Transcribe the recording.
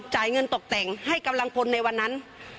จ่ายเงินตกแต่งให้กำลังพลในวันนั้น